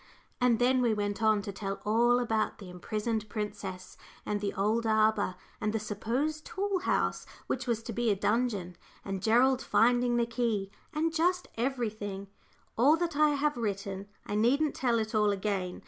And then we went on to tell all about the imprisoned princess, and the old arbour, and the supposed tool house, which was to be a dungeon, and Gerald finding the key, and just everything all that I have written; I needn't tell it all again.